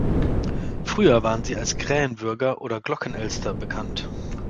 Früher waren sie als Krähenwürger oder Glockenelster bekannt.